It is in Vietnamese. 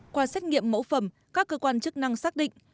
qua xét nghiệm mẫu phẩm các cơ quan chức năng xác định